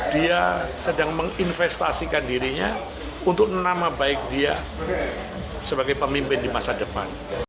dia sedang menginvestasikan dirinya untuk nama baik dia sebagai pemimpin di masa depan